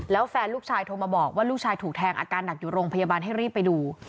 แล้วแฟนลูกชายโทรมาบอกว่าลูกชายถูกแทงอาการหนักอยู่โรงพยาบาลให้รีบไปดู